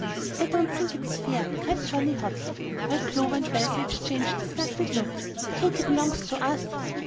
"I don't think it's fair," cried Johnnie, hotly, while Clover and Elsie exchanged disgusted looks; "Katy belongs to us."